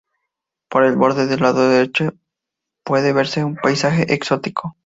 Por el borde del lado derecho puede verse un paisaje exótico.